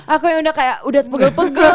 aku yang udah kayak udah pegel pegel